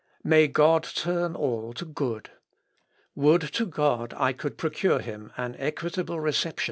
May God turn all to good. Would to God I could procure him an equitable reception!"